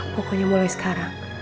pokoknya mulai sekarang